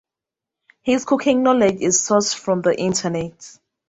His cooking knowledge is sourced from the Internet.